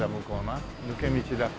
抜け道だ。